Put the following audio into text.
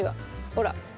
ほら。